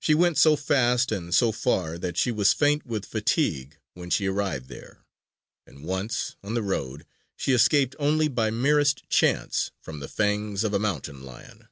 She went so fast and so far that she was faint with fatigue when she arrived there; and once, on the road, she escaped only by merest chance from the fangs of a mountain lion.